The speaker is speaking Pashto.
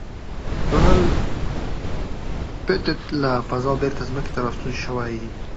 ډونلډ پېټټ له فضا بېرته ځمکې ته راستون شوی.